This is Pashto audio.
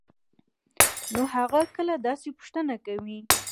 نو هغه کله داسې پوښتنه کوي؟؟